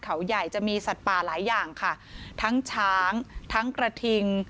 เขาใหญ่จะมีสัตว์ป่าหลายอย่างค่ะทั้งช้างทั้งกระทิง